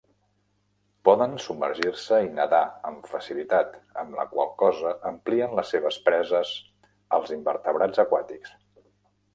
Poden submergir-se i nedar amb facilitat, amb la qual cosa amplien les seves preses als invertebrats aquàtics.